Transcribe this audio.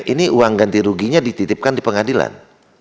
ini uang ganti ruginya dititipkan di pengadilan